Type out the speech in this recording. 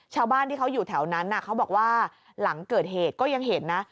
ชาวบ้านที่เขาอยู่แถวนั้นเขาบอกว่าหลังเกิดเหตุก็ยังเห็นนะ